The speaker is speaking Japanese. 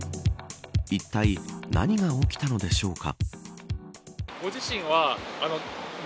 いったい何が起きたのでしょうか。